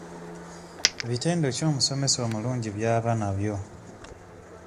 Bitendo ki omusomesa omulungi by'aba nabyo?